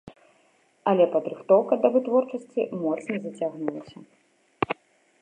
Але падрыхтоўка да вытворчасці моцна зацягнулася.